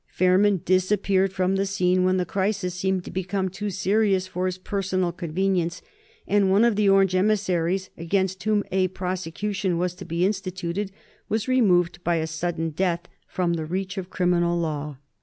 Fairman disappeared from the scene when the crisis seemed to become too serious for his personal convenience, and one of the Orange emissaries, against whom a prosecution was to be instituted, was removed by a sudden death from the reach of the criminal law.